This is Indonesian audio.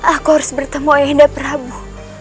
aku harus bertemu ayah dan prabu